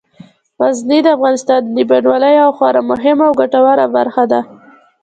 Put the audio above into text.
غزني د افغانستان د بڼوالۍ یوه خورا مهمه او ګټوره برخه ده.